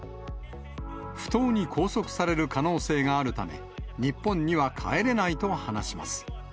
不当に拘束される可能性があるため、日本には帰れないと話します。